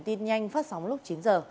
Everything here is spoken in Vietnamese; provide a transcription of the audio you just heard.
tin nhanh phát sóng lúc chín giờ